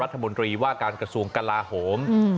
รัฐมนตรีว่าการกระทรวงกลาโหม